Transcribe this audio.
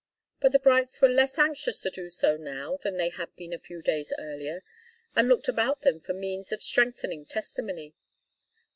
But the Brights were less anxious to do so than they had been a few days earlier, and looked about them for means of strengthening testimony.